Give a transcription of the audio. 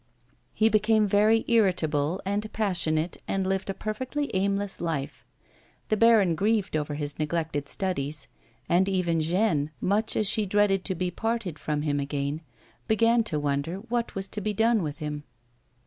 He became very irritable and passionate and lived a perfectly aimless life. The baron grieved over his neglected studies, and even Jeanne, much as she dreaded to be parted from him again, began to wonder what was to be done with liim.